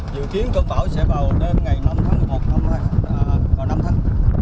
dự kiến cơn bão sẽ vào đêm ngày năm tháng một năm tháng hai và năm tháng